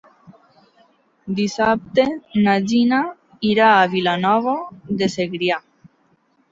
Dissabte na Gina irà a Vilanova de Segrià.